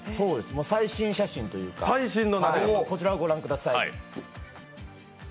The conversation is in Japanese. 最新写真というかこちらを御覧ください。